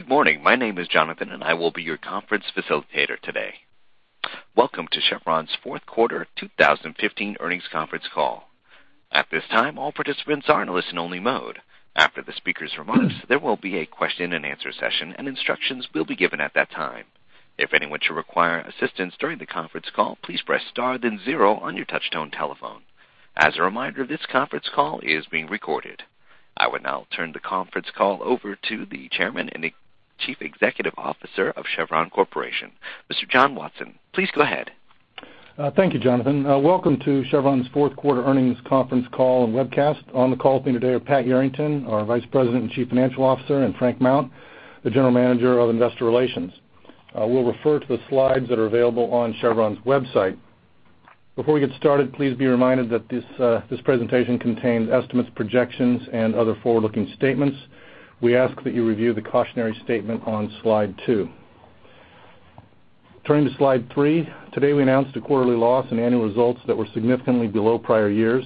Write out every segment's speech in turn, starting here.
Good morning. My name is Jonathan. I will be your conference facilitator today. Welcome to Chevron's fourth quarter 2015 earnings conference call. At this time, all participants are in listen-only mode. After the speakers' remarks, there will be a question-and-answer session. Instructions will be given at that time. If anyone should require assistance during the conference call, please press star then zero on your touchtone telephone. As a reminder, this conference call is being recorded. I would now turn the conference call over to the Chairman and Chief Executive Officer of Chevron Corporation, Mr. John Watson. Please go ahead. Thank you, Jonathan. Welcome to Chevron's fourth quarter earnings conference call and webcast. On the call with me today are Pat Yarrington, our Vice President and Chief Financial Officer, and Frank Mount, the General Manager of Investor Relations. We will refer to the slides that are available on Chevron's website. Before we get started, please be reminded that this presentation contains estimates, projections, and other forward-looking statements. We ask that you review the cautionary statement on slide two. Turning to slide three. Today, we announced a quarterly loss and annual results that were significantly below prior years.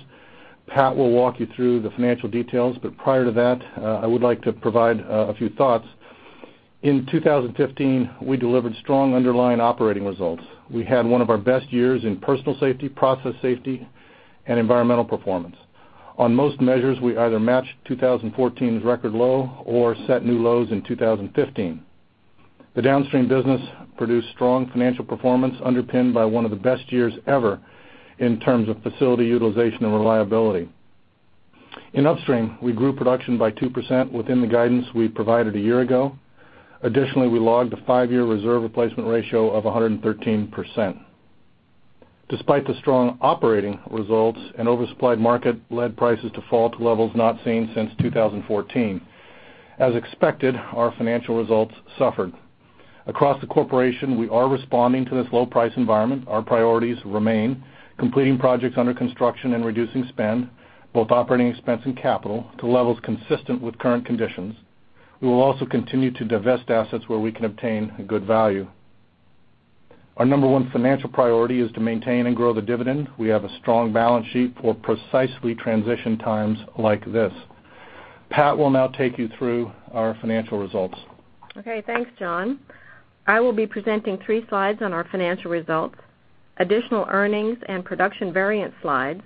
Prior to that, I would like to provide a few thoughts. In 2015, we delivered strong underlying operating results. We had one of our best years in personal safety, process safety, and environmental performance. On most measures, we either matched 2014's record low or set new lows in 2015. The downstream business produced strong financial performance underpinned by one of the best years ever in terms of facility utilization and reliability. In upstream, we grew production by 2% within the guidance we provided a year ago. Additionally, we logged a five-year reserve replacement ratio of 113%. Despite the strong operating results, an oversupplied market led prices to fall to levels not seen since 2014. As expected, our financial results suffered. Across the corporation, we are responding to this low price environment. Our priorities remain completing projects under construction and reducing spend, both operating expense and capital, to levels consistent with current conditions. We will also continue to divest assets where we can obtain a good value. Our number one financial priority is to maintain and grow the dividend. We have a strong balance sheet for precisely transition times like this. Pat will now take you through our financial results. Okay. Thanks, John. I will be presenting three slides on our financial results. Additional earnings and production variant slides,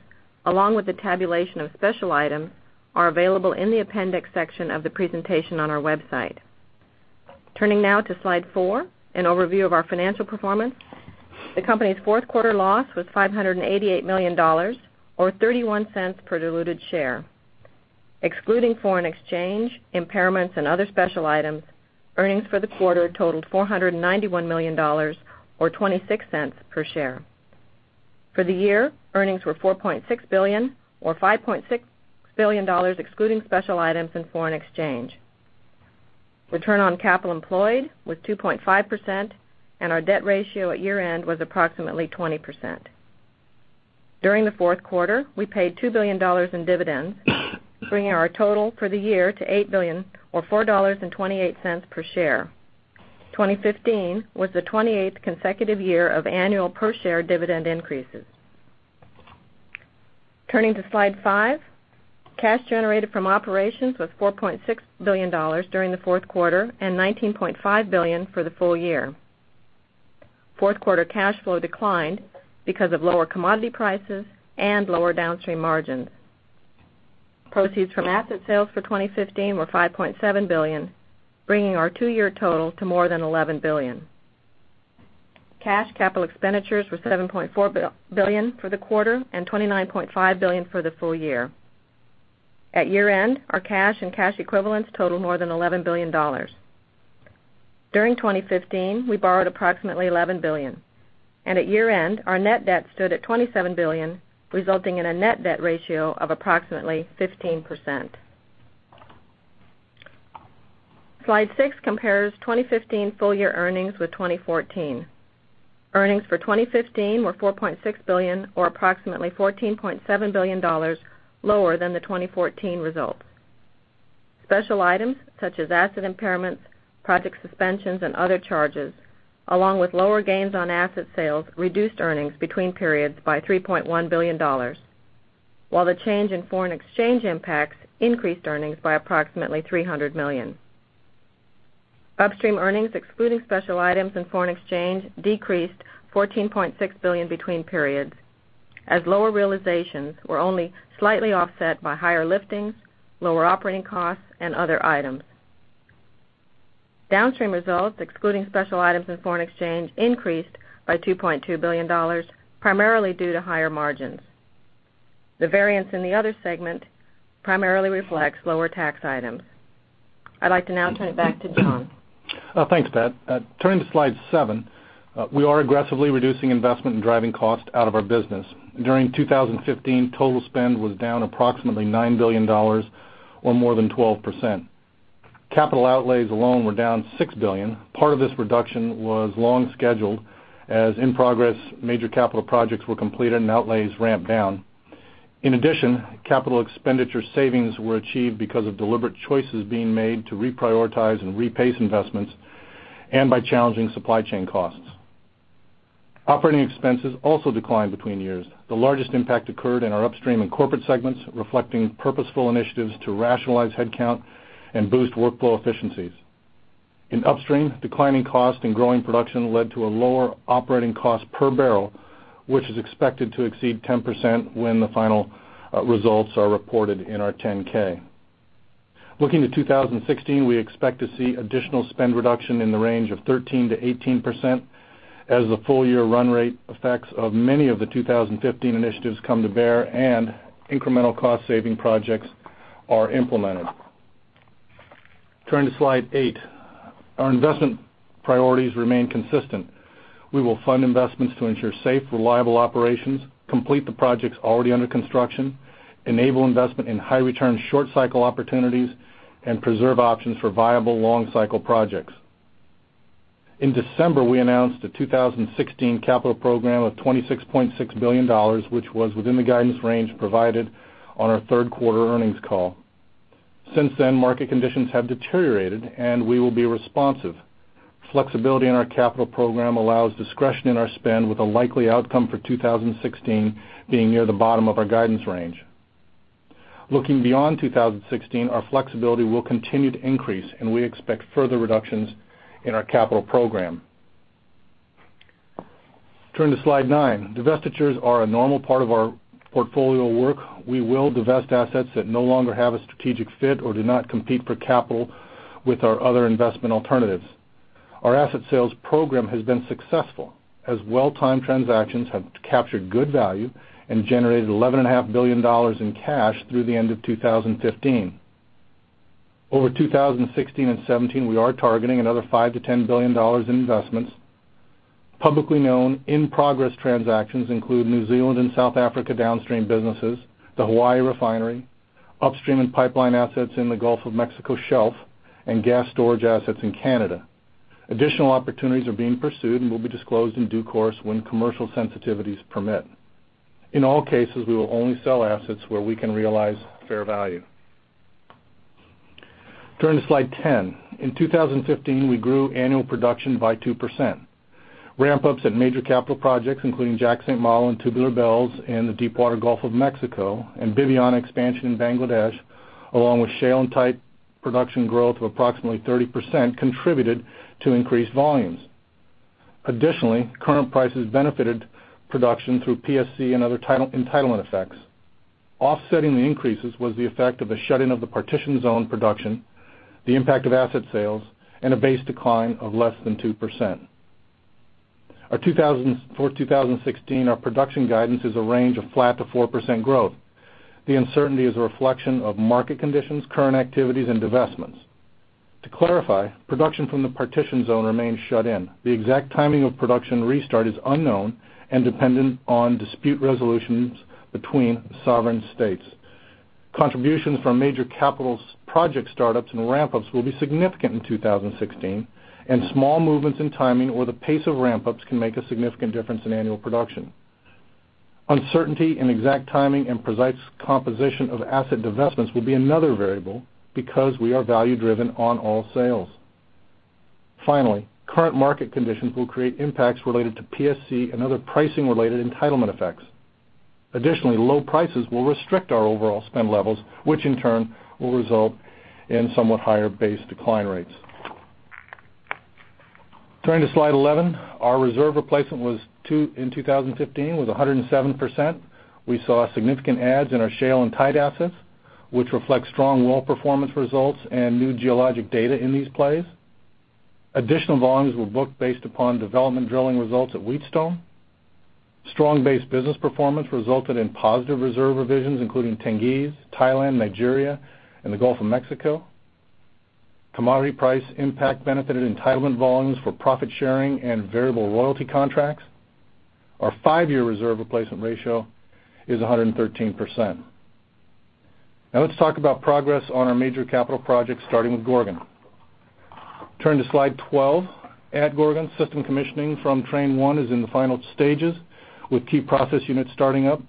along with the tabulation of special items, are available in the appendix section of the presentation on our website. Turning now to slide four, an overview of our financial performance. The company's fourth quarter loss was $588 million, or $0.31 per diluted share. Excluding foreign exchange, impairments, and other special items, earnings for the quarter totaled $491 million, or $0.26 per share. For the year, earnings were $4.6 billion or $5.6 billion excluding special items and foreign exchange. Return on capital employed was 2.5%, and our debt ratio at year-end was approximately 20%. During the fourth quarter, we paid $2 billion in dividends, bringing our total for the year to $8 billion or $4.28 per share. 2015 was the 28th consecutive year of annual per-share dividend increases. Turning to slide five. Cash generated from operations was $4.6 billion during the fourth quarter and $19.5 billion for the full year. Fourth quarter cash flow declined because of lower commodity prices and lower downstream margins. Proceeds from asset sales for 2015 were $5.7 billion, bringing our two-year total to more than $11 billion. Cash CapEx were $7.4 billion for the quarter and $29.5 billion for the full year. At year-end, our cash and cash equivalents totaled more than $11 billion. During 2015, we borrowed approximately $11 billion, and at year-end, our net debt stood at $27 billion, resulting in a net debt ratio of approximately 15%. Slide six compares 2015 full-year earnings with 2014. Earnings for 2015 were $4.6 billion or approximately $14.7 billion lower than the 2014 results. Special items such as asset impairments, project suspensions, and other charges, along with lower gains on asset sales, reduced earnings between periods by $3.1 billion. The change in foreign exchange impacts increased earnings by approximately $300 million. Upstream earnings, excluding special items and foreign exchange, decreased $14.6 billion between periods as lower realizations were only slightly offset by higher liftings, lower operating costs, and other items. Downstream results, excluding special items and foreign exchange, increased by $2.2 billion, primarily due to higher margins. The variance in the other segment primarily reflects lower tax items. I'd like to now turn it back to John. Thanks, Pat. Turning to slide seven. We are aggressively reducing investment and driving cost out of our business. During 2015, total spend was down approximately $9 billion or more than 12%. Capital outlays alone were down $6 billion. Part of this reduction was long scheduled as in-progress major capital projects were completed, and outlays ramped down. In addition, CapEx savings were achieved because of deliberate choices being made to reprioritize and repace investments and by challenging supply chain costs. OpEx also declined between years. The largest impact occurred in our upstream and corporate segments, reflecting purposeful initiatives to rationalize headcount and boost workflow efficiencies. In upstream, declining cost and growing production led to a lower operating cost per barrel, which is expected to exceed 10% when the final results are reported in our 10-K. Looking to 2016, we expect to see additional spend reduction in the range of 13%-18% as the full-year run rate effects of many of the 2015 initiatives come to bear and incremental cost saving projects are implemented. Turning to Slide 8. Our investment priorities remain consistent. We will fund investments to ensure safe, reliable operations, complete the projects already under construction, enable investment in high return, short cycle opportunities, and preserve options for viable long cycle projects. In December, we announced a 2016 capital program of $26.6 billion, which was within the guidance range provided on our third quarter earnings call. Since then, market conditions have deteriorated. We will be responsive. Flexibility in our capital program allows discretion in our spend with a likely outcome for 2016 being near the bottom of our guidance range. Looking beyond 2016, our flexibility will continue to increase. We expect further reductions in our capital program. Turning to Slide 9. Divestitures are a normal part of our portfolio work. We will divest assets that no longer have a strategic fit or do not compete for capital with our other investment alternatives. Our asset sales program has been successful as well-timed transactions have captured good value and generated $11.5 billion in cash through the end of 2015. Over 2016 and 2017, we are targeting another $5 billion-$10 billion in investments. Publicly known in-progress transactions include New Zealand and South Africa downstream businesses, the Hawaii refinery, upstream and pipeline assets in the Gulf of Mexico shelf, and gas storage assets in Canada. Additional opportunities are being pursued. They will be disclosed in due course when commercial sensitivities permit. In all cases, we will only sell assets where we can realize fair value. Turning to Slide 10. In 2015, we grew annual production by 2%. Ramp-ups at major capital projects, including Jack/St. Malo and Tubular Bells in the Deepwater Gulf of Mexico, and Bibiyana expansion in Bangladesh, along with shale and tight production growth of approximately 30%, contributed to increased volumes. Additionally, current prices benefited production through PSC and other entitlement effects. Offsetting the increases was the effect of the shutting of the Partitioned Zone production, the impact of asset sales, and a base decline of less than 2%. For 2016, our production guidance is a range of flat to 4% growth. The uncertainty is a reflection of market conditions, current activities, and divestments. To clarify, production from the Partitioned Zone remains shut in. The exact timing of production restart is unknown and dependent on dispute resolutions between sovereign states. Contributions from major capital project startups and ramp-ups will be significant in 2016. Small movements in timing or the pace of ramp-ups can make a significant difference in annual production. Uncertainty in exact timing and precise composition of asset divestments will be another variable because we are value-driven on all sales. Finally, current market conditions will create impacts related to PSC and other pricing-related entitlement effects. Additionally, low prices will restrict our overall spend levels, which in turn will result in somewhat higher base decline rates. Turning to Slide 11. Our reserve replacement in 2015 was 107%. We saw significant adds in our shale and tight assets, which reflect strong well performance results and new geologic data in these plays. Additional volumes were booked based upon development drilling results at Wheatstone. Strong base business performance resulted in positive reserve revisions, including Tengiz, Thailand, Nigeria, and the Gulf of Mexico. Commodity price impact benefited entitlement volumes for profit-sharing and variable royalty contracts. Our five-year reserve replacement ratio is 113%. Let's talk about progress on our major capital projects, starting with Gorgon. Turning to Slide 12. At Gorgon, system commissioning from Train 1 is in the final stages with key process units starting up,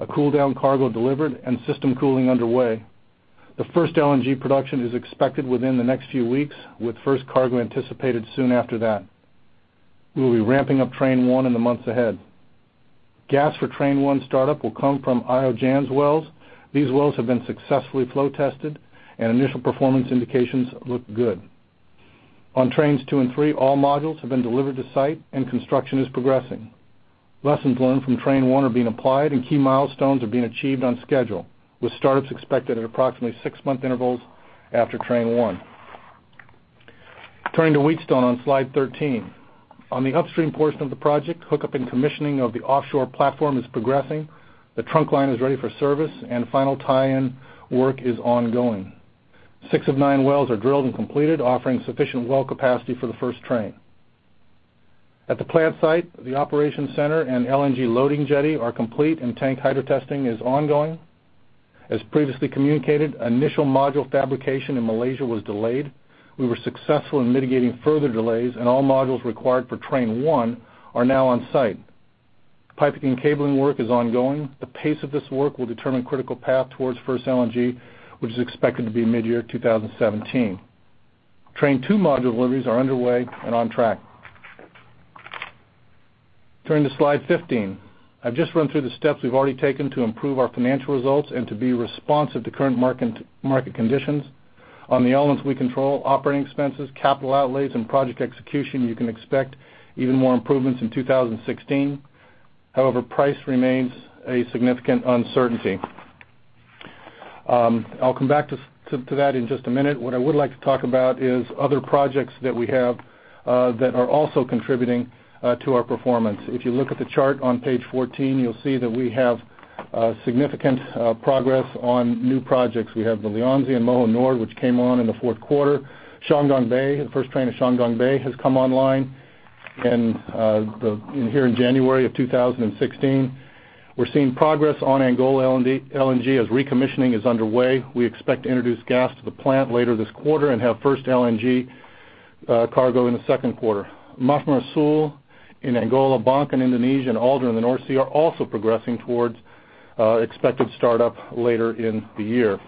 a cool down cargo delivered, and system cooling underway. The first LNG production is expected within the next few weeks, with first cargo anticipated soon after that. We will be ramping up Train 1 in the months ahead. Gas for Train 1 startup will come from Jansz-Io wells. These wells have been successfully flow tested and initial performance indications look good. On Trains 2 and 3, all modules have been delivered to site and construction is progressing. Lessons learned from Train 1 are being applied. Key milestones are being achieved on schedule, with startups expected at approximately 6-month intervals after Train 1. Turning to Wheatstone on Slide 13. On the upstream portion of the project, hookup and commissioning of the offshore platform is progressing. The trunk line is ready for service. Final tie-in work is ongoing. six of nine wells are drilled and completed, offering sufficient well capacity for the first Train. At the plant site, the operation center and LNG loading jetty are complete. Tank hydrotesting is ongoing. As previously communicated, initial module fabrication in Malaysia was delayed. We were successful in mitigating further delays, and all modules required for Train 1 are now on site. Piping and cabling work is ongoing. The pace of this work will determine critical path towards first LNG, which is expected to be mid-year 2017. Train 2 module deliveries are underway and on track. Turning to Slide 15. I've just run through the steps we've already taken to improve our financial results and to be responsive to current market conditions. On the elements we control, operating expenses, capital outlays, and project execution, you can expect even more improvements in 2016. However, price remains a significant uncertainty. I'll come back to that in just a minute. What I would like to talk about is other projects that we have that are also contributing to our performance. If you look at the chart on page 14, you'll see that we have significant progress on new projects. We have the Lianzi and Moho Nord, which came on in the fourth quarter. Chuandongbei, the first Train of Chuandongbei has come online here in January of 2016. We're seeing progress on Angola LNG as recommissioning is underway. We expect to introduce gas to the plant later this quarter and have first LNG cargo in the second quarter. Mafumeira Sul in Angola, Bangka in Indonesia, Alder in the North Sea are also progressing towards expected startup later in the year.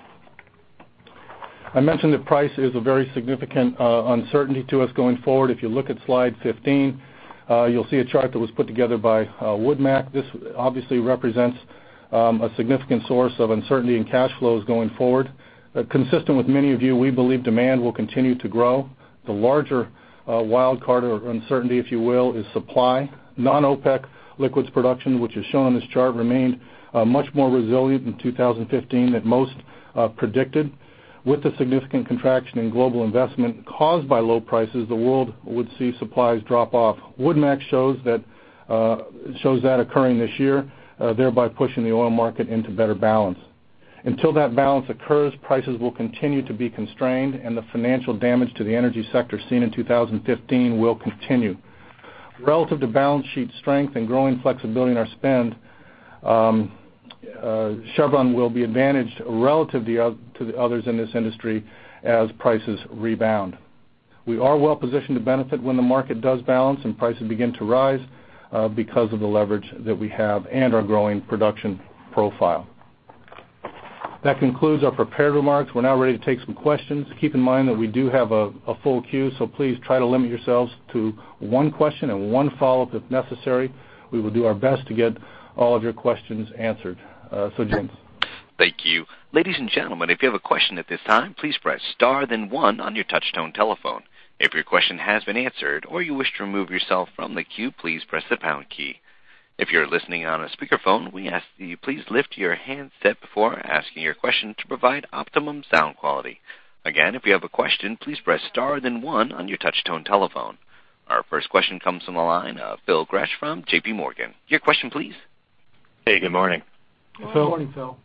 I mentioned that price is a very significant uncertainty to us going forward. If you look at Slide 15, you'll see a chart that was put together by WoodMac. This obviously represents a significant source of uncertainty in cash flows going forward. Consistent with many of you, we believe demand will continue to grow. The larger wild card or uncertainty, if you will, is supply. Non-OPEC liquids production, which is shown on this chart, remained much more resilient in 2015 than most predicted. With the significant contraction in global investment caused by low prices, the world would see supplies drop off. WoodMac shows that occurring this year, thereby pushing the oil market into better balance. Until that balance occurs, prices will continue to be constrained, and the financial damage to the energy sector seen in 2015 will continue. Relative to balance sheet strength and growing flexibility in our spend, Chevron will be advantaged relative to the others in this industry as prices rebound. We are well positioned to benefit when the market does balance and prices begin to rise because of the leverage that we have and our growing production profile. That concludes our prepared remarks. We're now ready to take some questions. Keep in mind that we do have a full queue, so please try to limit yourselves to one question and one follow-up if necessary. We will do our best to get all of your questions answered. James. Thank you. Ladies and gentlemen, if you have a question at this time, please press star then one on your touch tone telephone. If your question has been answered or you wish to remove yourself from the queue, please press the pound key. If you're listening on a speakerphone, we ask that you please lift your handset before asking your question to provide optimum sound quality. Again, if you have a question, please press star then one on your touch tone telephone. Our first question comes from the line of Phil Gresh from JPMorgan. Your question please. Hey, good morning. Good morning, Phil.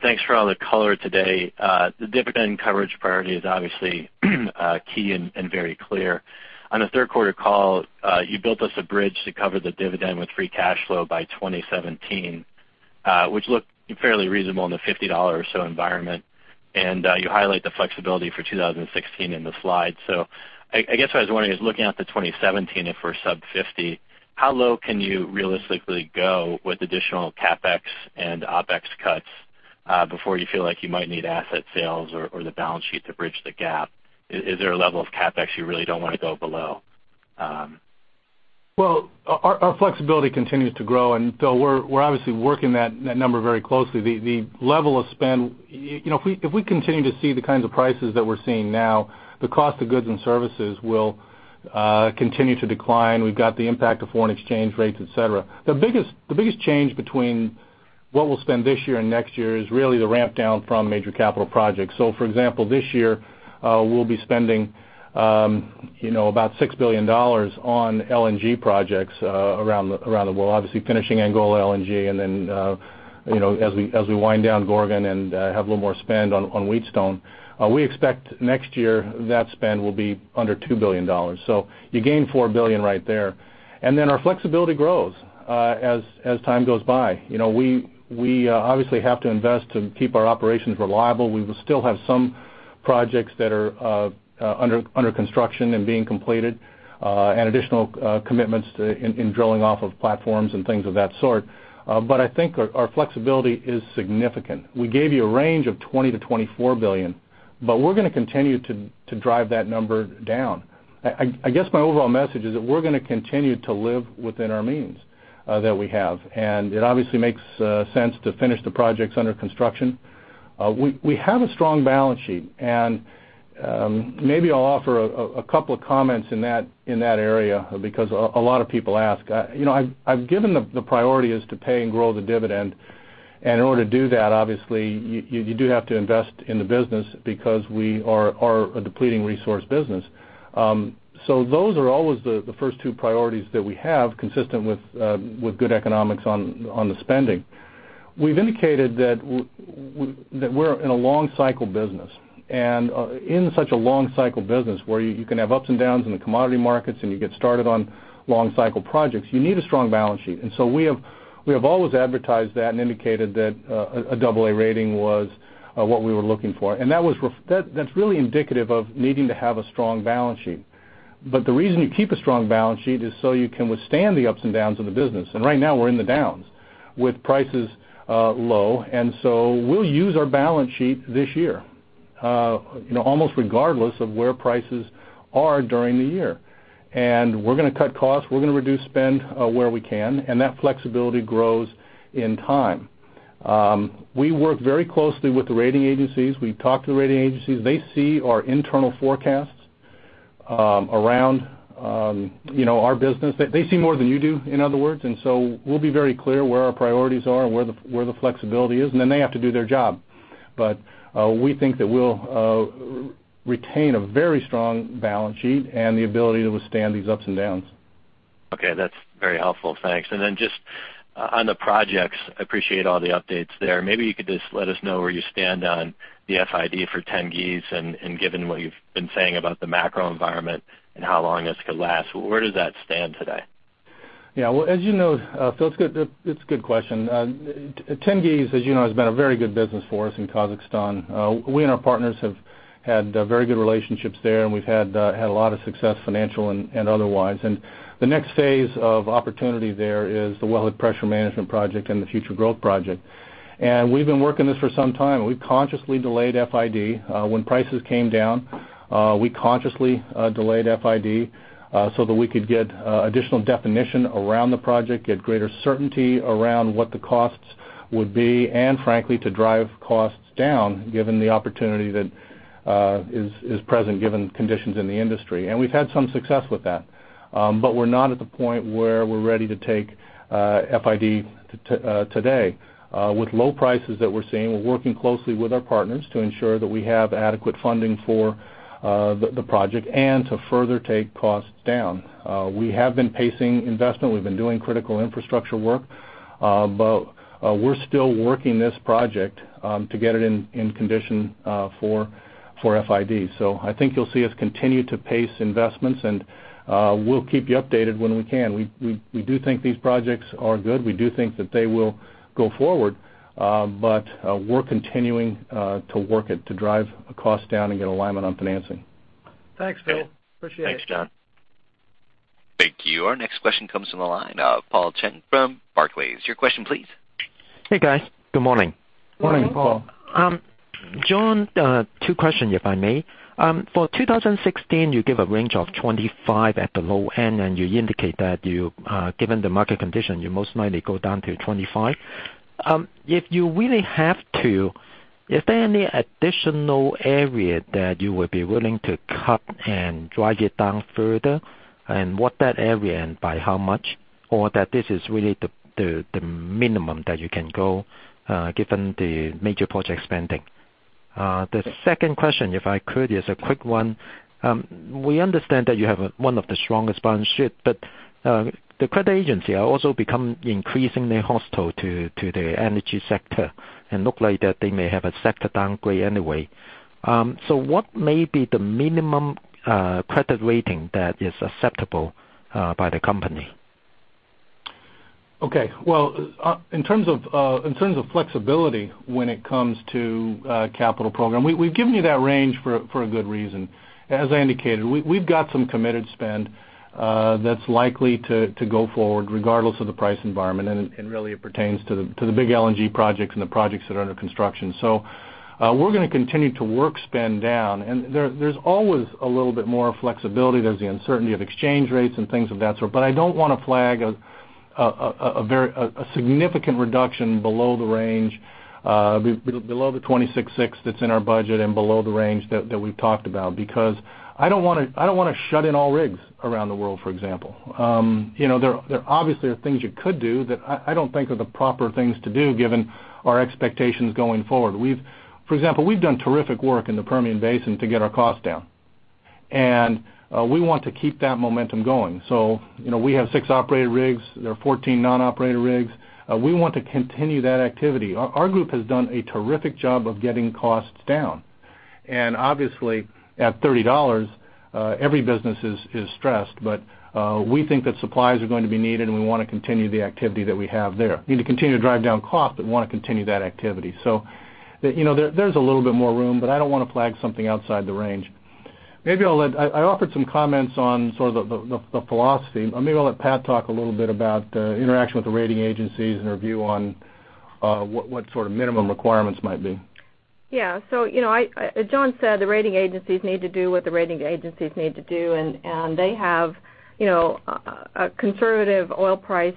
Thanks for all the color today. The dividend coverage priority is obviously key and very clear. On the third quarter call, you built us a bridge to cover the dividend with free cash flow by 2017, which looked fairly reasonable in the $50 or so environment, and you highlight the flexibility for 2016 in the slide. I guess what I was wondering is looking out to 2017, if we're sub $50, how low can you realistically go with additional CapEx and OpEx cuts before you feel like you might need asset sales or the balance sheet to bridge the gap? Is there a level of CapEx you really don't want to go below? Well, our flexibility continues to grow, and Phil, we're obviously working that number very closely. The level of spend, if we continue to see the kinds of prices that we're seeing now, the cost of goods and services will continue to decline. We've got the impact of foreign exchange rates, et cetera. The biggest change between what we'll spend this year and next year is really the ramp down from major capital projects. For example, this year we'll be spending about $6 billion on LNG projects around the world, obviously finishing Angola LNG and then as we wind down Gorgon and have a little more spend on Wheatstone. We expect next year that spend will be under $2 billion. You gain $4 billion right there. Our flexibility grows as time goes by. We obviously have to invest to keep our operations reliable. We will still have some projects that are under construction and being completed, and additional commitments in drilling off of platforms and things of that sort. I think our flexibility is significant. We gave you a range of $20 billion-$24 billion, we're going to continue to drive that number down. I guess my overall message is that we're going to continue to live within our means that we have, and it obviously makes sense to finish the projects under construction. We have a strong balance sheet, and maybe I'll offer a couple of comments in that area because a lot of people ask. I've given the priority is to pay and grow the dividend, and in order to do that, obviously you do have to invest in the business because we are a depleting resource business. Those are always the first two priorities that we have consistent with good economics on the spending. We've indicated that we're in a long cycle business, and in such a long cycle business where you can have ups and downs in the commodity markets and you get started on long cycle projects, you need a strong balance sheet. We have always advertised that and indicated that a double A rating was what we were looking for. That's really indicative of needing to have a strong balance sheet. The reason you keep a strong balance sheet is so you can withstand the ups and downs of the business. Right now we're in the downs with prices low. We'll use our balance sheet this year, almost regardless of where prices are during the year. We're going to cut costs, we're going to reduce spend where we can, that flexibility grows in time. We work very closely with the rating agencies. We talk to the rating agencies. They see our internal forecasts around our business. They see more than you do, in other words, we'll be very clear where our priorities are and where the flexibility is, then they have to do their job. We think that we'll retain a very strong balance sheet and the ability to withstand these ups and downs. Okay, that's very helpful. Thanks. Just on the projects, appreciate all the updates there. Maybe you could just let us know where you stand on the FID for Tengiz and given what you've been saying about the macro environment and how long this could last, where does that stand today? Yeah. Well, as you know, Phil, it's a good question. Tengiz, as you know, has been a very good business for us in Kazakhstan. We and our partners have had very good relationships there, we've had a lot of success, financial and otherwise. The next phase of opportunity there is the Wellhead Pressure Management Project and the Future Growth Project. We've been working this for some time, we consciously delayed FID. When prices came down, we consciously delayed FID so that we could get additional definition around the project, get greater certainty around what the costs would be, frankly, to drive costs down given the opportunity that is present, given conditions in the industry. We've had some success with that. We're not at the point where we're ready to take FID today. With low prices that we're seeing, we're working closely with our partners to ensure that we have adequate funding for the project and to further take costs down. We have been pacing investment. We've been doing critical infrastructure work. We're still working this project to get it in condition for FID. I think you'll see us continue to pace investments and we'll keep you updated when we can. We do think these projects are good. We do think that they will go forward. We're continuing to work it to drive cost down and get alignment on financing. Thanks, Phil. Appreciate it. Thanks, John. Thank you. Our next question comes from the line of Paul Cheng from Barclays. Your question, please. Hey, guys. Good morning. Morning, Paul. John, two question if I may. For 2016, you give a range of $25 at the low end, and you indicate that given the market condition, you most likely go down to $25. If you really have to, is there any additional area that you would be willing to cut and drive it down further? What that area and by how much? That this is really the minimum that you can go given the major project spending? The second question, if I could, is a quick one. We understand that you have one of the strongest balance sheet, but the credit agency are also become increasingly hostile to the energy sector and look like that they may have a sector downgrade anyway. What may be the minimum credit rating that is acceptable by the company? Well, in terms of flexibility when it comes to capital program, we've given you that range for a good reason. As I indicated, we've got some committed spend that's likely to go forward regardless of the price environment, and really it pertains to the big LNG projects and the projects that are under construction. We're going to continue to work spend down, and there's always a little bit more flexibility. There's the uncertainty of exchange rates and things of that sort, but I don't want to flag a significant reduction below the range, below the $26.6 that's in our budget and below the range that we've talked about, because I don't want to shut in all rigs around the world, for example. There obviously are things you could do that I don't think are the proper things to do given our expectations going forward. For example, we've done terrific work in the Permian Basin to get our costs down, and we want to keep that momentum going. We have six operator rigs. There are 14 non-operator rigs. We want to continue that activity. Our group has done a terrific job of getting costs down, and obviously at $30, every business is stressed, but we think that supplies are going to be needed, and we want to continue the activity that we have there. We need to continue to drive down cost, but want to continue that activity. There's a little bit more room, but I don't want to flag something outside the range. I offered some comments on sort of the philosophy. Maybe I'll let Pat talk a little bit about the interaction with the rating agencies and their view on what sort of minimum requirements might be. Yeah. As John said, the rating agencies need to do what the rating agencies need to do, and they have conservative oil price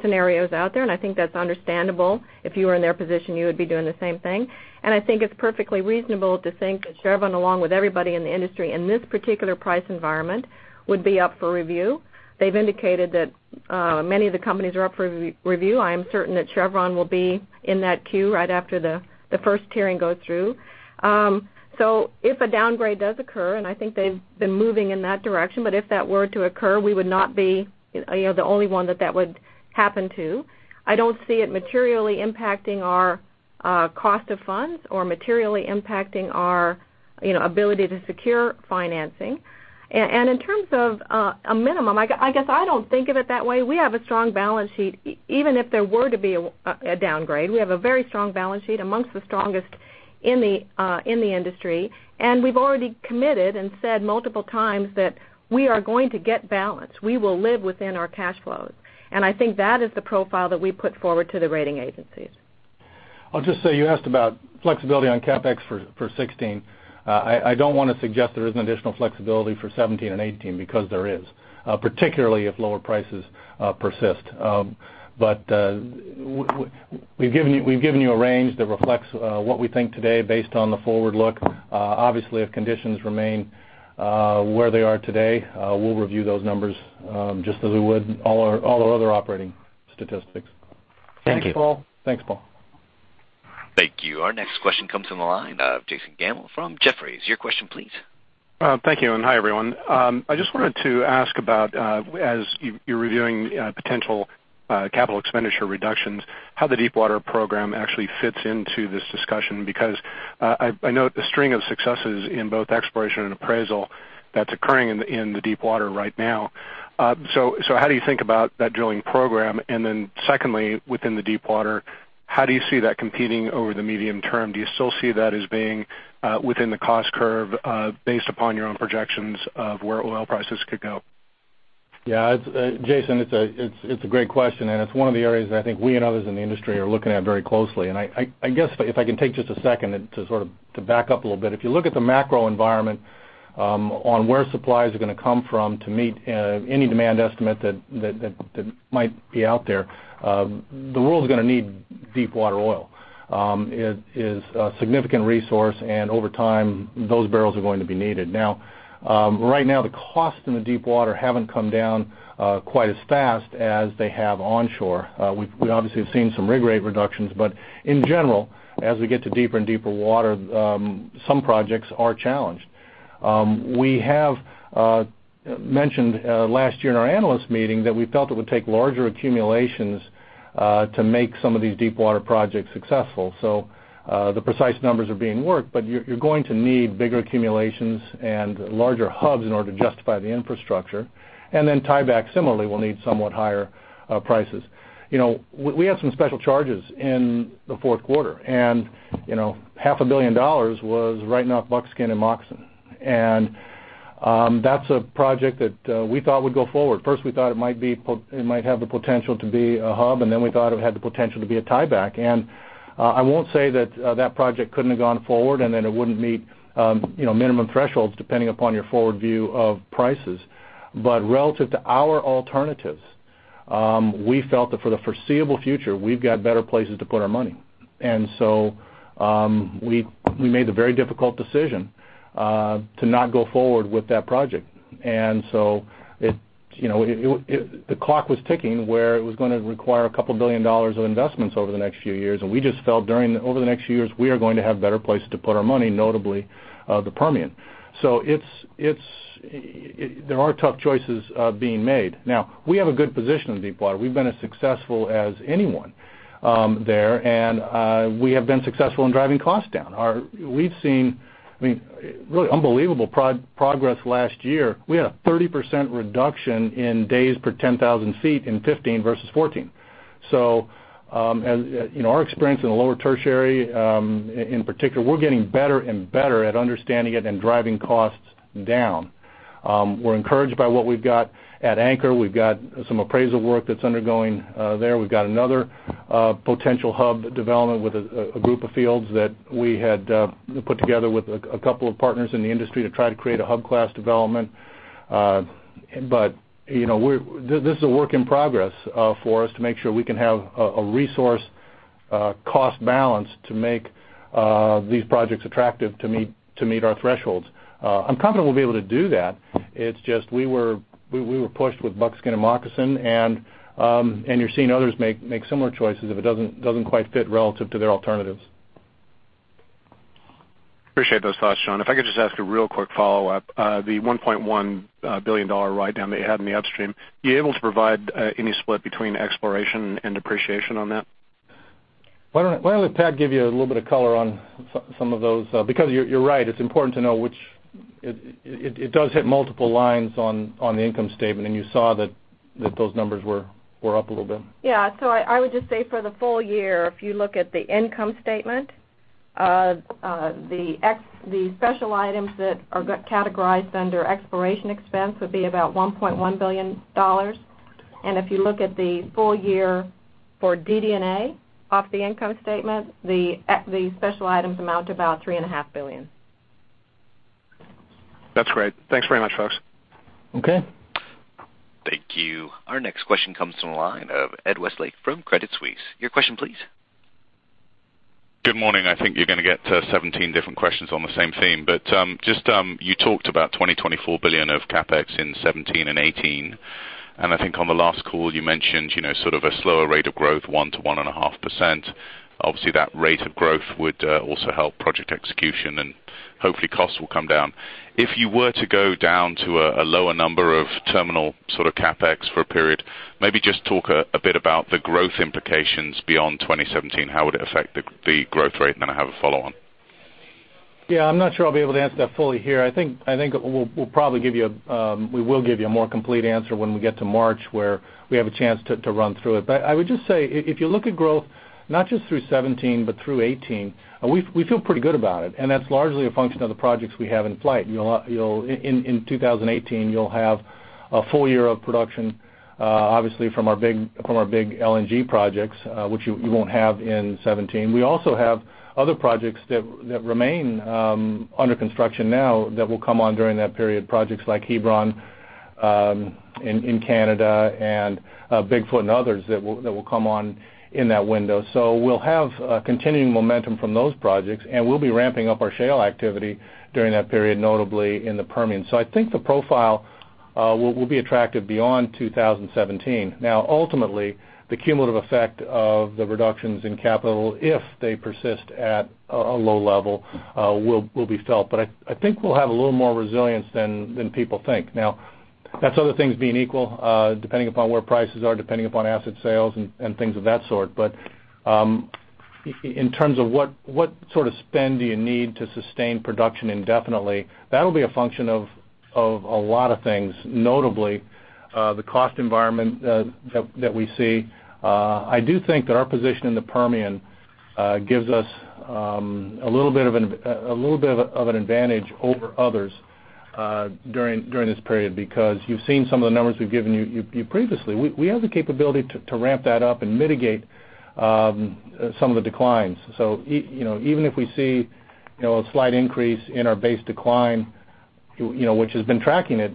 scenarios out there, and I think that's understandable. If you were in their position, you would be doing the same thing. I think it's perfectly reasonable to think that Chevron, along with everybody in the industry in this particular price environment, would be up for review. They've indicated that many of the companies are up for review. I am certain that Chevron will be in that queue right after the first tiering goes through. If a downgrade does occur, and I think they've been moving in that direction, but if that were to occur, we would not be the only one that that would happen to. I don't see it materially impacting our cost of funds or materially impacting our ability to secure financing. In terms of a minimum, I guess I don't think of it that way. We have a strong balance sheet. Even if there were to be a downgrade, we have a very strong balance sheet amongst the strongest in the industry, and we've already committed and said multiple times that we are going to get balance. We will live within our cash flows. I think that is the profile that we put forward to the rating agencies. I'll just say, you asked about flexibility on CapEx for 2016. I don't want to suggest there isn't additional flexibility for 2017 and 2018 because there is, particularly if lower prices persist. We've given you a range that reflects what we think today based on the forward look. Obviously, if conditions remain where they are today, we'll review those numbers, just as we would all our other operating statistics. Thank you. Thanks, Paul. Thank you. Our next question comes from the line of Jason Gammel from Jefferies. Your question please. Thank you. Hi, everyone. I just wanted to ask about, as you're reviewing potential capital expenditure reductions, how the deepwater program actually fits into this discussion, because I note the string of successes in both exploration and appraisal that's occurring in the deepwater right now. How do you think about that drilling program? Then secondly, within the deepwater, how do you see that competing over the medium term? Do you still see that as being within the cost curve based upon your own projections of where oil prices could go? Jason, it's a great question. It's one of the areas that I think we and others in the industry are looking at very closely. I guess if I can take just a second to sort of back up a little bit. If you look at the macro environment on where supplies are going to come from to meet any demand estimate that might be out there, the world's going to need deepwater oil. It is a significant resource. Over time, those barrels are going to be needed. Right now, the costs in the deepwater haven't come down quite as fast as they have onshore. We obviously have seen some rig rate reductions, but in general, as we get to deeper and deeper water, some projects are challenged. We have mentioned last year in our analyst meeting that we felt it would take larger accumulations to make some of these deepwater projects successful. The precise numbers are being worked, but you're going to need bigger accumulations and larger hubs in order to justify the infrastructure. Then tieback similarly will need somewhat higher prices. We had some special charges in the fourth quarter, and half a billion dollars was writing off Buckskin and Moccasin. That's a project that we thought would go forward. First, we thought it might have the potential to be a hub, then we thought it had the potential to be a tieback. I won't say that that project couldn't have gone forward and that it wouldn't meet minimum thresholds depending upon your forward view of prices. Relative to our alternatives, we felt that for the foreseeable future, we've got better places to put our money. We made the very difficult decision to not go forward with that project. The clock was ticking where it was going to require a couple billion dollars of investments over the next few years, we just felt over the next few years, we are going to have better places to put our money, notably the Permian. There are tough choices being made. Now, we have a good position in deepwater. We've been as successful as anyone there, we have been successful in driving costs down. We've seen really unbelievable progress last year. We had a 30% reduction in days per 10,000 feet in 2015 versus 2014. Our experience in the Lower Tertiary, in particular, we're getting better and better at understanding it and driving costs down. We're encouraged by what we've got at Anchor. We've got some appraisal work that's undergoing there. We've got another potential hub development with a group of fields that we had put together with a couple of partners in the industry to try to create a hub class development. This is a work in progress for us to make sure we can have a resource cost balance to make these projects attractive to meet our thresholds. I'm confident we'll be able to do that. It's just we were pushed with Buckskin and Moccasin, you're seeing others make similar choices if it doesn't quite fit relative to their alternatives. Appreciate those thoughts, John. If I could just ask a real quick follow-up. The $1.1 billion write-down that you had in the upstream, are you able to provide any split between exploration and depreciation on that? Why don't I let Pat give you a little bit of color on some of those? You're right, it's important to know it does hit multiple lines on the income statement, and you saw that those numbers were up a little bit. Yeah. I would just say for the full year, if you look at the income statement, the special items that are categorized under exploration expense would be about $1.1 billion. If you look at the full year for DD&A off the income statement, the special items amount to about $3.5 billion. That's great. Thanks very much, folks. Okay. Thank you. Our next question comes from the line of Ed Westlake from Credit Suisse. Your question, please. Good morning. I think you're going to get 17 different questions on the same theme. Just you talked about $20 billion-$24 billion of CapEx in 2017 and 2018. I think on the last call you mentioned sort of a slower rate of growth, 1%-1.5%. Obviously, that rate of growth would also help project execution and hopefully costs will come down. If you were to go down to a lower number of terminal CapEx for a period, maybe just talk a bit about the growth implications beyond 2017. How would it affect the growth rate? Then I have a follow-on. Yeah, I'm not sure I'll be able to answer that fully here. I think we will give you a more complete answer when we get to March, where we have a chance to run through it. I would just say, if you look at growth, not just through 2017, but through 2018, we feel pretty good about it, and that's largely a function of the projects we have in flight. In 2018, you'll have a full year of production obviously from our big LNG projects, which you won't have in 2017. We also have other projects that remain under construction now that will come on during that period. Projects like Hebron in Canada and Big Foot and others that will come on in that window. We'll have a continuing momentum from those projects, and we'll be ramping up our shale activity during that period, notably in the Permian. I think the profile will be attractive beyond 2017. Now, ultimately, the cumulative effect of the reductions in capital, if they persist at a low level, will be felt. I think we'll have a little more resilience than people think. Now, that's other things being equal, depending upon where prices are, depending upon asset sales and things of that sort. In terms of what sort of spend do you need to sustain production indefinitely, that'll be a function of a lot of things, notably the cost environment that we see. I do think that our position in the Permian gives us a little bit of an advantage over others during this period because you've seen some of the numbers we've given you previously. We have the capability to ramp that up and mitigate some of the declines. Even if we see a slight increase in our base decline which has been tracking at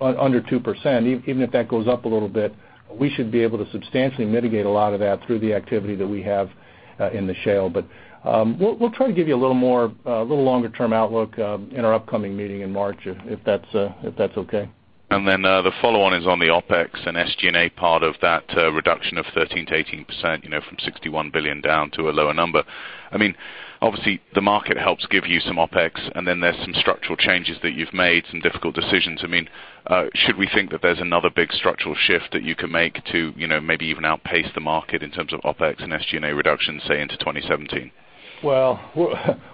under 2%, even if that goes up a little bit, we should be able to substantially mitigate a lot of that through the activity that we have in the shale. We'll try to give you a little longer-term outlook in our upcoming meeting in March, if that's okay. The follow-on is on the OpEx and SG&A part of that reduction of 13%-18%, from $61 billion down to a lower number. Obviously, the market helps give you some OpEx, and then there's some structural changes that you've made, some difficult decisions. Should we think that there's another big structural shift that you can make to maybe even outpace the market in terms of OpEx and SG&A reduction, say, into 2017? Well,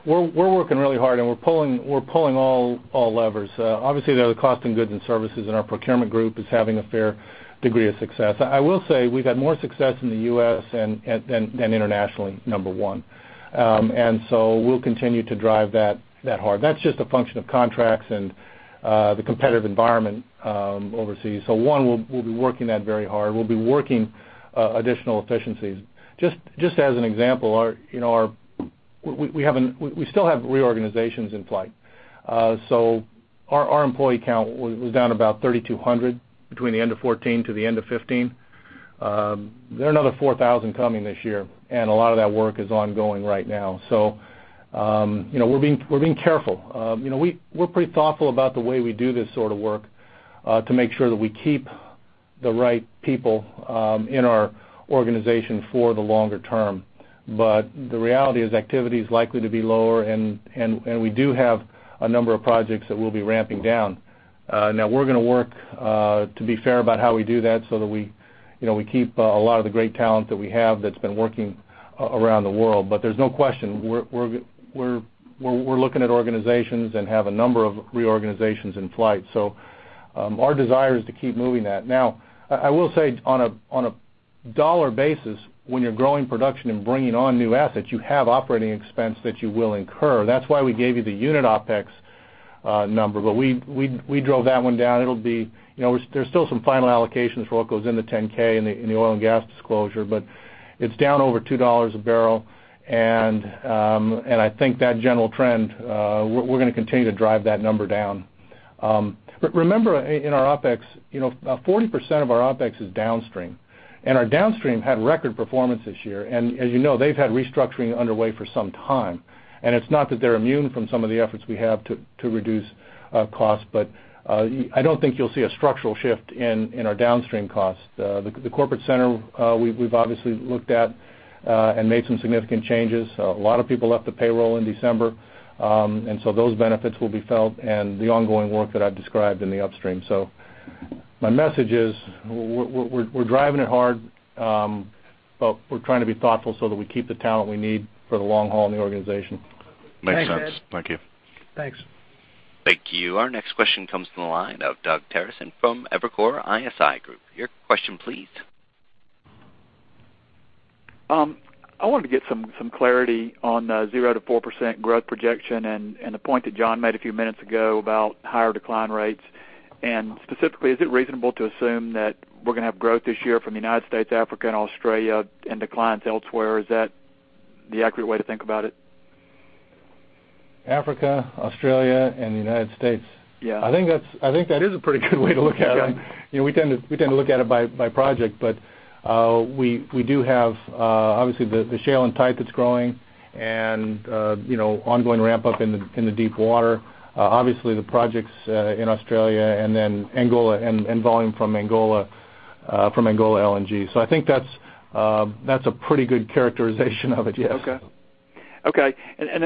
we're working really hard and we're pulling all levers. Obviously the cost in goods and services in our procurement group is having a fair degree of success. I will say we've had more success in the U.S. than internationally, number one. We'll continue to drive that hard. That's just a function of contracts and the competitive environment overseas. One, we'll be working that very hard. We'll be working additional efficiencies. Just as an example, we still have reorganizations in flight. Our employee count was down about 3,200 between the end of 2014 to the end of 2015. There are another 4,000 coming this year, and a lot of that work is ongoing right now. We're being careful. We're pretty thoughtful about the way we do this sort of work to make sure that we keep the right people in our organization for the longer term. The reality is activity is likely to be lower, and we do have a number of projects that we'll be ramping down. Now we're going to work to be fair about how we do that so that we keep a lot of the great talent that we have that's been working around the world. There's no question, we're looking at organizations and have a number of reorganizations in flight. Our desire is to keep moving that. Now, I will say on a dollar basis, when you're growing production and bringing on new assets, you have operating expense that you will incur. That's why we gave you the unit OpEx number. We drove that one down. There's still some final allocations for what goes in the 10-K in the oil and gas disclosure, but it's down over $2 a barrel, and I think that general trend, we're going to continue to drive that number down. Remember, in our OpEx, 40% of our OpEx is downstream. Our downstream had record performance this year. As you know, they've had restructuring underway for some time. It's not that they're immune from some of the efforts we have to reduce cost, but I don't think you'll see a structural shift in our downstream cost. The corporate center we've obviously looked at and made some significant changes. A lot of people left the payroll in December. Those benefits will be felt and the ongoing work that I've described in the upstream. My message is we're driving it hard, we're trying to be thoughtful so that we keep the talent we need for the long haul in the organization. Makes sense. Thank you. Thanks. Thank you. Our next question comes from the line of Doug Terreson from Evercore ISI Group. Your question, please. I wanted to get some clarity on the 0%-4% growth projection and the point that John made a few minutes ago about higher decline rates. Specifically, is it reasonable to assume that we're going to have growth this year from the U.S., Africa, and Australia and declines elsewhere? Is that the accurate way to think about it? Africa, Australia, and the United States. Yeah. I think that is a pretty good way to look at it. We tend to look at it by project, but we do have obviously the shale and tight that's growing and ongoing ramp-up in the deepwater. Obviously the projects in Australia and then Angola and volume from Angola LNG. I think that's a pretty good characterization of it, yes. Okay.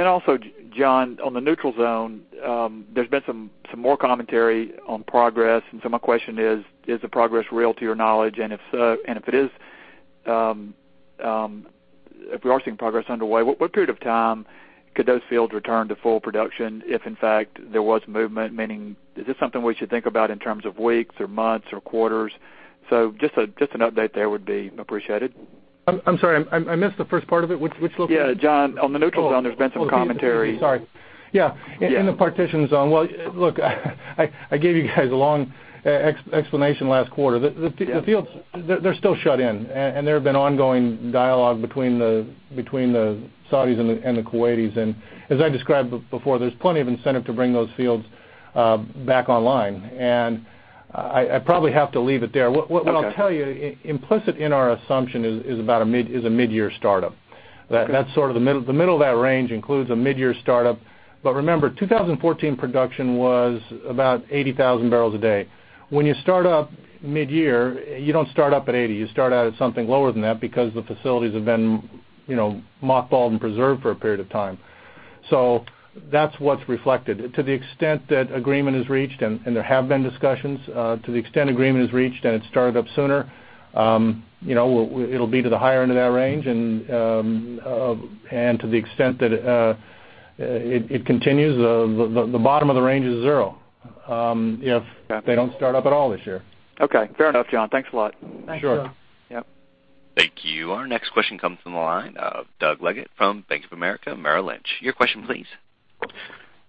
Also, John, on the Neutral Zone, there's been some more commentary on progress. My question is the progress real to your knowledge? And if it is, if we are seeing progress underway, what period of time could those fields return to full production if in fact there was movement? Meaning, is this something we should think about in terms of weeks or months or quarters? Just an update there would be appreciated. I'm sorry, I missed the first part of it. Which location? Yeah, John, on the Neutral Zone, there's been some commentary. Sorry. Yeah. Yeah. In the Partitioned Zone. Well, look, I gave you guys a long explanation last quarter. The fields, they're still shut in, and there have been ongoing dialogue between the Saudis and the Kuwaitis. As I described before, there's plenty of incentive to bring those fields back online, and I probably have to leave it there. Okay. What I'll tell you, implicit in our assumption is a mid-year startup. Okay. The middle of that range includes a mid-year startup. Remember, 2014 production was about 80,000 barrels a day. When you start up mid-year, you don't start up at 80. You start out at something lower than that because the facilities have been mothballed and preserved for a period of time. That's what's reflected. To the extent that agreement is reached, and there have been discussions, to the extent agreement is reached and it's started up sooner, it'll be to the higher end of that range. To the extent that it continues, the bottom of the range is zero if they don't start up at all this year. Okay, fair enough, John. Thanks a lot. Sure. Yep. Thank you. Our next question comes from the line of Douglas Leggate from Bank of America Merrill Lynch. Your question please.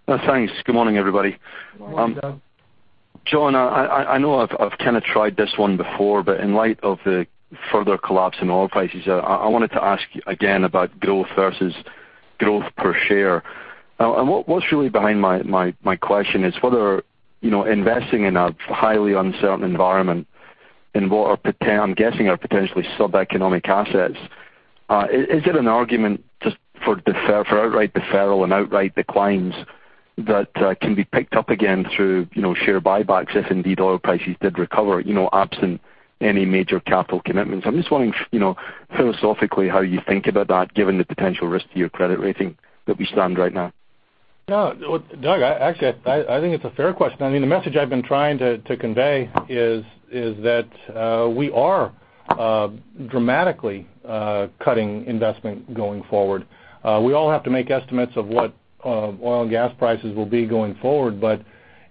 Thanks. Good morning, everybody. Good morning, Doug. John, I know I've kind of tried this one before. In light of the further collapse in oil prices, I wanted to ask you again about growth versus growth per share. What's really behind my question is whether investing in a highly uncertain environment in what I'm guessing are potentially sub-economic assets, is it an argument just for outright deferral and outright declines that can be picked up again through share buybacks if indeed oil prices did recover absent any major capital commitments? I'm just wondering philosophically how you think about that given the potential risk to your credit rating that we stand right now. Doug, actually, I think it's a fair question. The message I've been trying to convey is that we are dramatically cutting investment going forward. We all have to make estimates of what oil and gas prices will be going forward.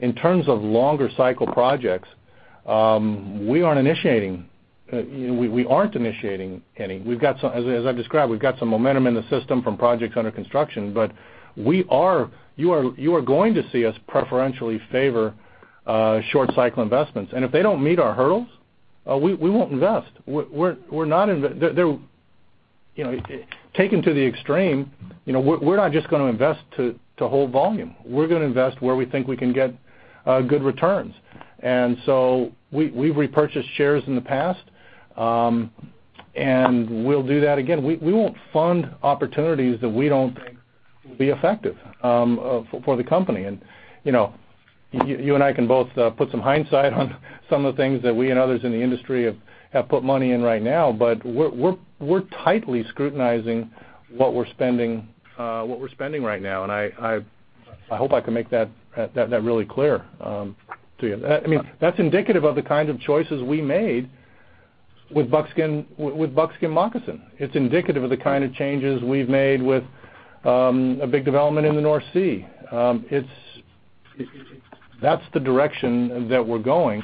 In terms of longer cycle projects, we aren't initiating any. As I've described, we've got some momentum in the system from projects under construction, but you are going to see us preferentially favor short cycle investments. If they don't meet our hurdles, we won't invest. Taken to the extreme, we're not just going to invest to hold volume. We're going to invest where we think we can get good returns. We've repurchased shares in the past, and we'll do that again. We won't fund opportunities that we don't think will be effective for the company. You and I can both put some hindsight on some of the things that we and others in the industry have put money in right now, but we're tightly scrutinizing what we're spending right now, and I hope I can make that really clear to you. That's indicative of the kind of choices we made with Buckskin Moccasin. It's indicative of the kind of changes we've made with a big development in the North Sea. That's the direction that we're going.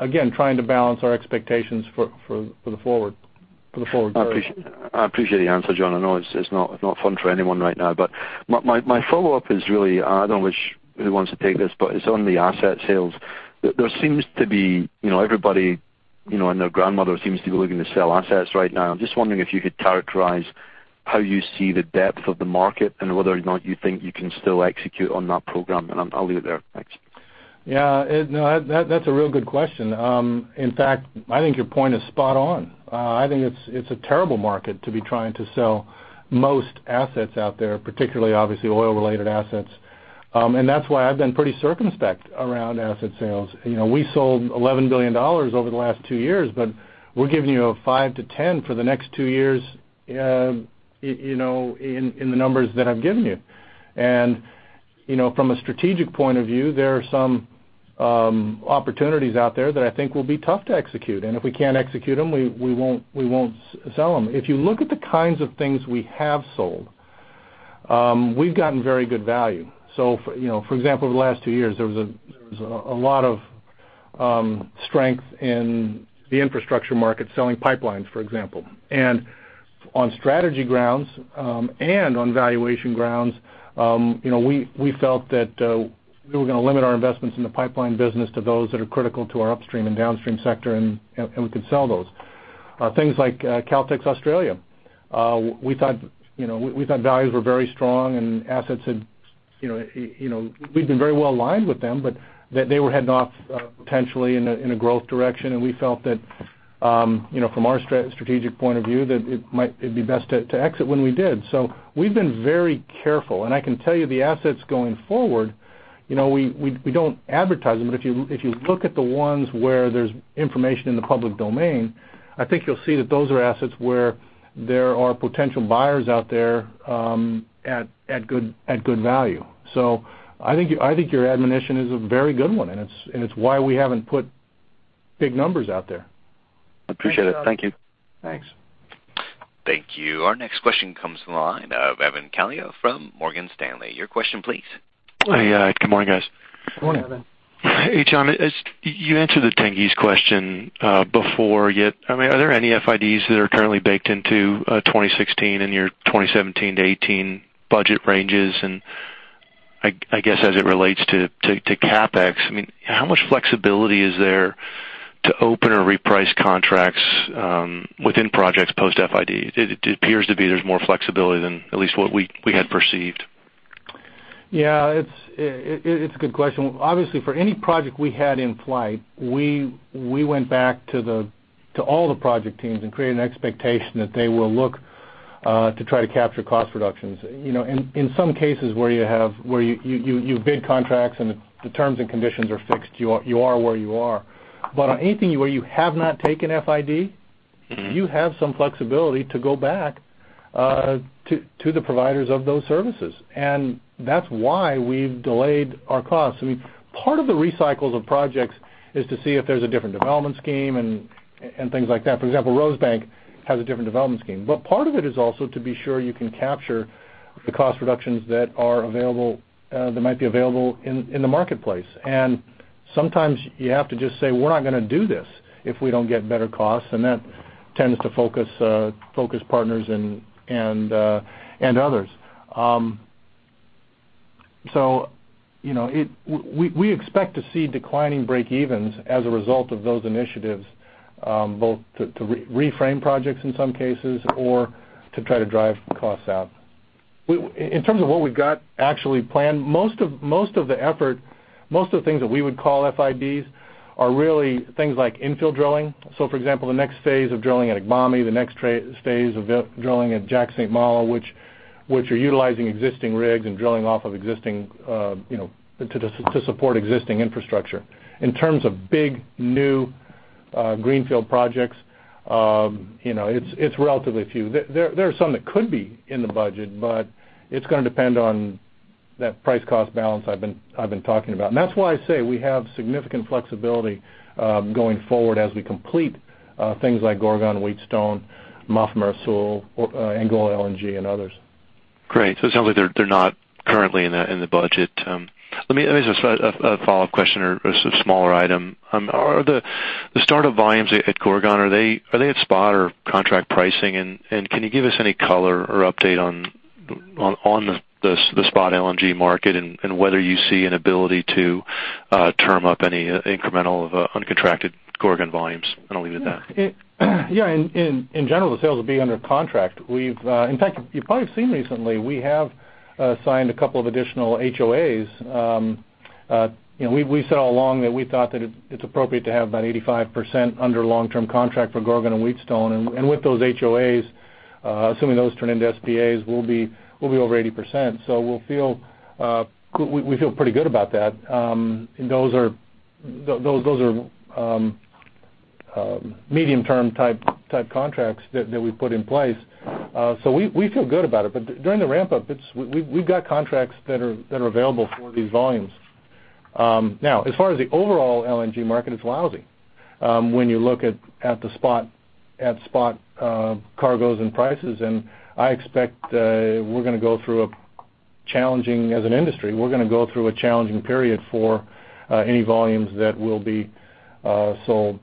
Again, trying to balance our expectations for the forward journey. I appreciate the answer, John. I know it's not fun for anyone right now, but my follow-up is really, I don't know who wants to take this, but it's on the asset sales. There seems to be everybody and their grandmother looking to sell assets right now. I'm just wondering if you could characterize how you see the depth of the market and whether or not you think you can still execute on that program. I'll leave it there. Thanks. Yeah. No, that's a real good question. In fact, I think your point is spot on. I think it's a terrible market to be trying to sell most assets out there, particularly obviously oil-related assets. That's why I've been pretty circumspect around asset sales. We sold $11 billion over the last two years, but we're giving you a $5 billion-$10 billion for the next two years in the numbers that I've given you. From a strategic point of view, there are some opportunities out there that I think will be tough to execute. If we can't execute them, we won't sell them. If you look at the kinds of things we have sold, we've gotten very good value. For example, the last two years, there was a lot of strength in the infrastructure market selling pipelines, for example. On strategy grounds and on valuation grounds we felt that we were going to limit our investments in the pipeline business to those that are critical to our upstream and downstream sector, and we could sell those. Things like Caltex Australia. We thought values were very strong, and we'd been very well aligned with them, but they were heading off potentially in a growth direction, and we felt that from our strategic point of view, it'd be best to exit when we did. We've been very careful, and I can tell you the assets going forward, we don't advertise them, but if you look at the ones where there's information in the public domain, I think you'll see that those are assets where there are potential buyers out there at good value. I think your admonition is a very good one, and it's why we haven't put big numbers out there. Appreciate it. Thank you. Thanks. Thank you. Our next question comes from the line of Evan Calio from Morgan Stanley. Your question, please. Hi. Good morning, guys. Good morning, Evan. Hey, John. You answered Tengiz's question before. Are there any FIDs that are currently baked into 2016 and your 2017 to 2018 budget ranges? I guess as it relates to CapEx, how much flexibility is there to open or reprice contracts within projects post FID? It appears to be there's more flexibility than at least what we had perceived. Yeah. It's a good question. Obviously, for any project we had in flight, we went back to all the project teams and created an expectation that they will look to try to capture cost reductions. In some cases where you bid contracts and the terms and conditions are fixed, you are where you are. On anything where you have not taken FID, you have some flexibility to go back to the providers of those services. That's why we've delayed our costs. Part of the recycles of projects is to see if there's a different development scheme and things like that. For example, Rosebank has a different development scheme. Part of it is also to be sure you can capture the cost reductions that might be available in the marketplace. Sometimes you have to just say, "We're not going to do this if we don't get better costs," and that tends to focus partners and others. We expect to see declining breakevens as a result of those initiatives, both to reframe projects in some cases or to try to drive costs out. In terms of what we've got actually planned, most of the effort, most of the things that we would call FIDs are really things like infill drilling. For example, the next phase of drilling at Agbami, the next phase of drilling at Jack/St. Malo, which are utilizing existing rigs and drilling to support existing infrastructure. In terms of big, new greenfield projects, it's relatively few. There are some that could be in the budget, but it's going to depend on that price-cost balance I've been talking about. That's why I say we have significant flexibility going forward as we complete things like Gorgon, Wheatstone, Mafumeira Sul, Angola LNG, and others. Great. It sounds like they're not currently in the budget. Let me ask a follow-up question or a smaller item. The startup volumes at Gorgon, are they at spot or contract pricing? Can you give us any color or update on the spot LNG market and whether you see an ability to term up any incremental of uncontracted Gorgon volumes? I'll leave it at that. Yeah. In general, the sales will be under contract. In fact, you've probably seen recently, we have signed a couple of additional HOAs. We said all along that we thought that it's appropriate to have about 85% under long-term contract for Gorgon and Wheatstone. With those HOAs, assuming those turn into SPAs, we'll be over 80%. We feel pretty good about that. Those are medium-term type contracts that we've put in place. We feel good about it. During the ramp-up, we've got contracts that are available for these volumes. As far as the overall LNG market, it's lousy when you look at spot cargoes and prices. I expect as an industry, we're going to go through a challenging period for any volumes that will be sold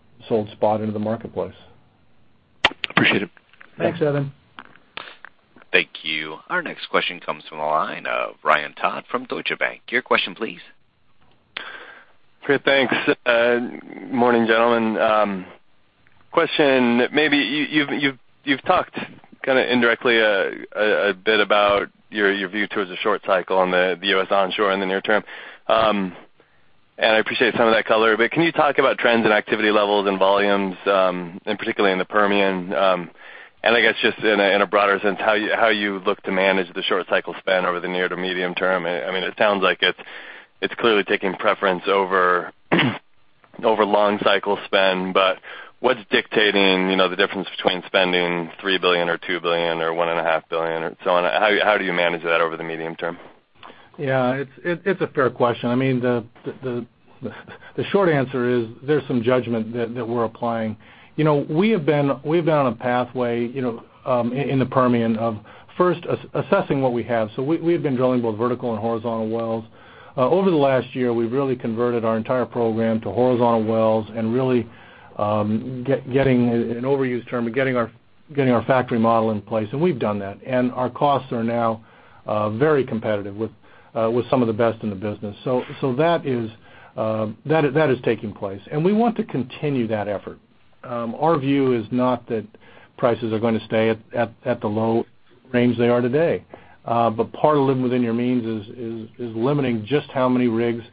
spot into the marketplace. Appreciate it. Thanks, Evan. Thank you. Our next question comes from the line of Ryan Todd from Deutsche Bank. Your question, please. Great. Thanks. Morning, gentlemen. Question, maybe you've talked kind of indirectly a bit about your view towards the short cycle on the U.S. onshore in the near term. I appreciate some of that color, but can you talk about trends and activity levels and volumes, particularly in the Permian? I guess just in a broader sense, how you look to manage the short cycle spend over the near to medium term. It sounds like it's clearly taking preference over long cycle spend, but what's dictating the difference between spending $3 billion or $2 billion or $1.5 billion or so on? How do you manage that over the medium term? Yeah. It's a fair question. The short answer is there's some judgment that we're applying. We have been on a pathway in the Permian of first assessing what we have. We've been drilling both vertical and horizontal wells. Over the last year, we've really converted our entire program to horizontal wells and really getting, an overused term, but getting our factory model in place. We've done that. Our costs are now very competitive with some of the best in the business. That is taking place. We want to continue that effort. Our view is not that prices are going to stay at the low range they are today. Part of living within your means is limiting just how many rigs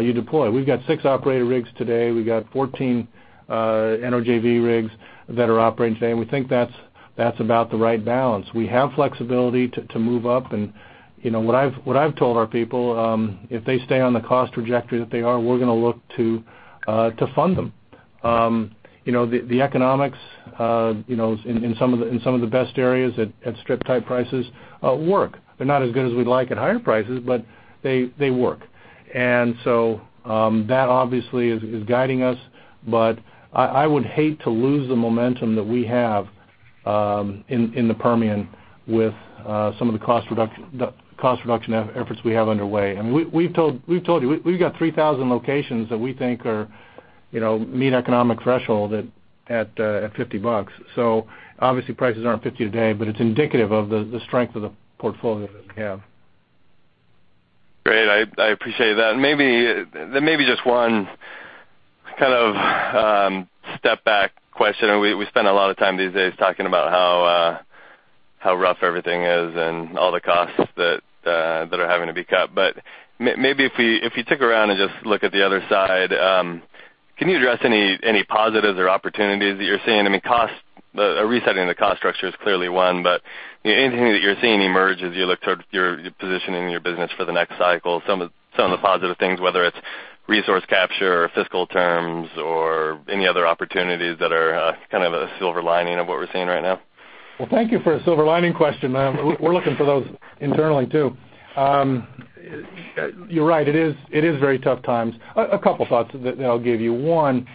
you deploy. We've got six operator rigs today. We've got 14 energy JV rigs that are operating today, we think that's about the right balance. We have flexibility to move up, what I've told our people, if they stay on the cost trajectory that they are, we're going to look to fund them. The economics in some of the best areas at strip-type prices work. They're not as good as we'd like at higher prices, but they work. That obviously is guiding us, but I would hate to lose the momentum that we have in the Permian with some of the cost reduction efforts we have underway. We've told you, we've got 3,000 locations that we think meet economic threshold at $50. Obviously prices aren't 50 today, but it's indicative of the strength of the portfolio that we have. Great. I appreciate that. Maybe just one kind of step back question. We spend a lot of time these days talking about how rough everything is and all the costs that are having to be cut. Maybe if you took around and just look at the other side, can you address any positives or opportunities that you're seeing? I mean, resetting the cost structure is clearly one, but anything that you're seeing emerge as you look toward your positioning your business for the next cycle, some of the positive things, whether it's resource capture or fiscal terms or any other opportunities that are kind of a silver lining of what we're seeing right now? Well, thank you for a silver lining question. We're looking for those internally, too. You're right. It is very tough times. A couple thoughts that I'll give you. One,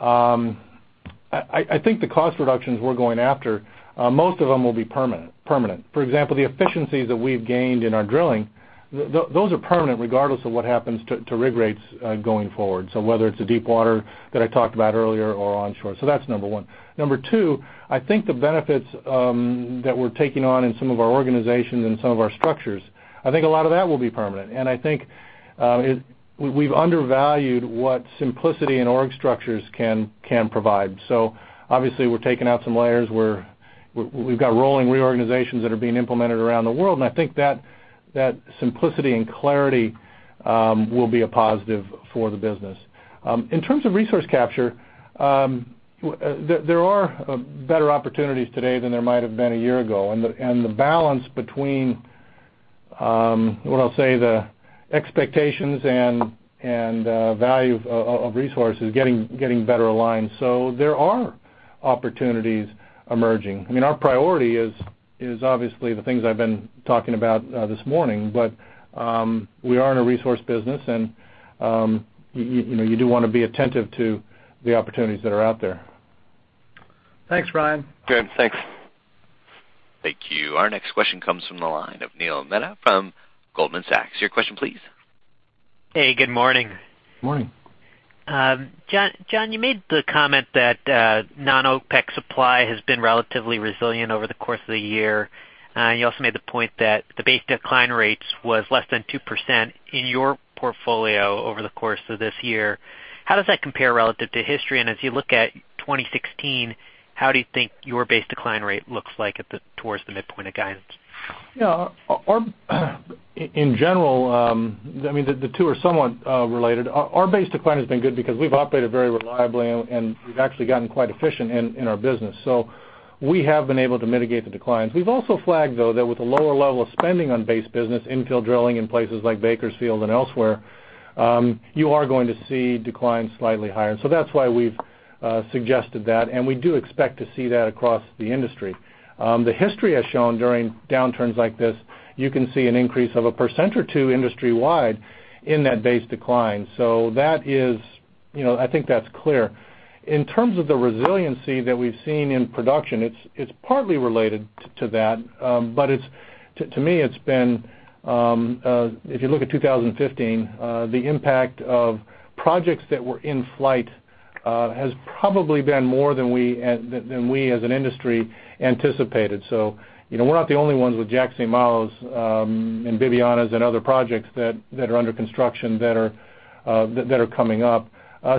I think the cost reductions we're going after, most of them will be permanent. For example, the efficiencies that we've gained in our drilling, those are permanent regardless of what happens to rig rates going forward. Whether it's the deep water that I talked about earlier or onshore. That's number one. Number two, I think the benefits that we're taking on in some of our organizations and some of our structures, I think a lot of that will be permanent. I think we've undervalued what simplicity in org structures can provide. Obviously we're taking out some layers. We've got rolling reorganizations that are being implemented around the world, I think that simplicity and clarity will be a positive for the business. In terms of resource capture, there are better opportunities today than there might have been a year ago, the balance between, what I'll say, the expectations and value of resources getting better aligned. There are opportunities emerging. I mean, our priority is obviously the things I've been talking about this morning, but we are in a resource business, and you do want to be attentive to the opportunities that are out there. Thanks, Ryan. Good. Thanks. Thank you. Our next question comes from the line of Neil Mehta from Goldman Sachs. Your question, please. Hey, good morning. Morning. John, you made the comment that non-OPEC supply has been relatively resilient over the course of the year. You also made the point that the base decline rates was less than 2% in your portfolio over the course of this year. How does that compare relative to history? As you look at 2016, how do you think your base decline rate looks like towards the midpoint of guidance? In general, the two are somewhat related. Our base decline has been good because we've operated very reliably, and we've actually gotten quite efficient in our business. We have been able to mitigate the declines. We've also flagged, though, that with a lower level of spending on base business infill drilling in places like Bakersfield and elsewhere, you are going to see declines slightly higher. That's why we've suggested that, and we do expect to see that across the industry. The history has shown during downturns like this, you can see an increase of a % or two industry-wide in that base decline. I think that's clear. In terms of the resiliency that we've seen in production, it's partly related to that. To me, if you look at 2015, the impact of projects that were in flight has probably been more than we as an industry anticipated. We're not the only ones with Jack/St. Malo's and Bibiyana's and other projects that are under construction that are coming up.